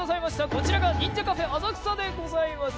こちらが忍者カフェ浅草でございます。